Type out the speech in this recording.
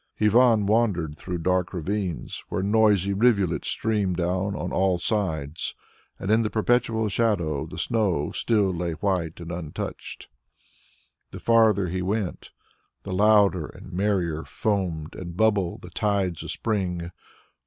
Ivan wandered through dark ravines, where noisy rivulets streamed down on all sides, and in the perpetual shadow the snow still lay white and untouched. The farther he went, the louder and merrier foamed and bubbled the tides of spring.